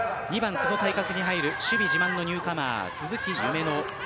２番、その対角に入る守備自慢のニューカマー鈴木夢乃。